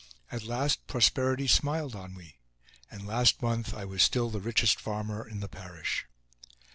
At last, prosperity smiled on we, and last month I was still the richest farmer in the parish.